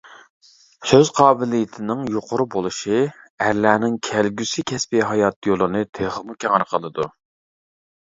سۆز قابىلىيىتىنىڭ يۇقىرى بولۇشى ئەرلەرنىڭ كەلگۈسى كەسپىي ھايات يولىنى تېخىمۇ كەڭرى قىلىدۇ.